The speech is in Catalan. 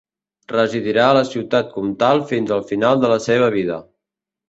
Residirà a la ciutat comtal fins al final de la seva vida.